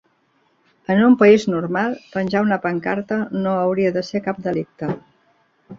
En un país normal penjar una pancarta no hauria de ser cap delicte.